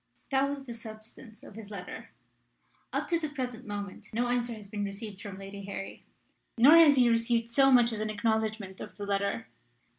That was the substance of his letter. Up to the present moment no answer has been received from Lady Harry. Nor has he received so much as an acknowledgment of the letter.